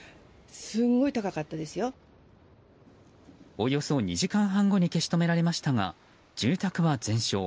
およそ２時間半後に消し止められましたが住宅は全焼。